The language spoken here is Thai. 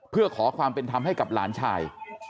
เพื่อขอความเป็นธรรมให้กับหลานชาย